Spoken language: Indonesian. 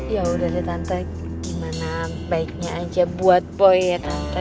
yaudah ya tante gimana baiknya aja buat boy ya tante